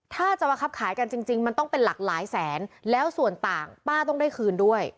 ถ้าจะมาคับขายกันจริงมันต้องเป็นหลากหลายแสนแล้วส่วนต่างป้าต้องได้คืนด้วย